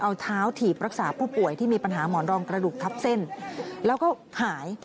เอาเท้าถีบรักษาผู้ป่วยที่มีปัญหาหมอนรองกระดูกทับเส้นแล้วก็หาย